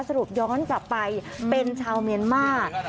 สรุปย้อนกลับไปเป็นชาวเมียนมาร์